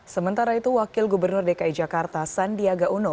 sementara itu wakil gubernur dki jakarta sandiaga uno